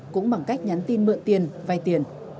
cũng bằng cách nhắn tin mượn tiền vai tiền